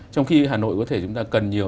trong khi hà nội có thể chúng ta cần nhiều